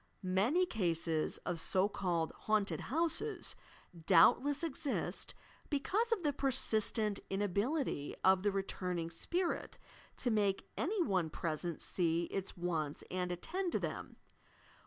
Many eases of so called "haunted houses'" doubtless exist, because of the persistent inability of the returning spirit to make any one present see its wants and attend to them.